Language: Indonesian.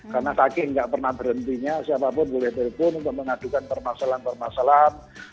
karena saking tidak pernah berhentinya siapapun boleh berhubung untuk mengadukan permasalahan permasalahan